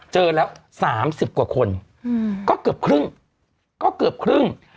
เจอแล้ว๓๐กว่าคนก็เกือบครึ่ง